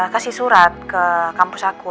kasih surat ke kampus aku